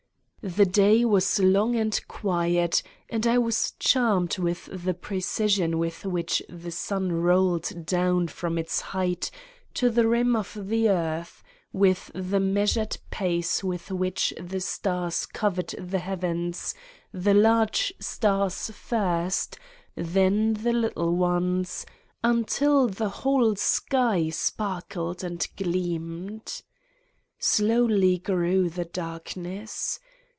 The day was long and quiet and I was charmed with the precision with which the sun rolled down from its height to the rim of the earth, with the measured pace with which the stars covered the heavens, the large stars first, then the little ones, until the whole sky sparkled and gleamed. Slowly grew the darkness.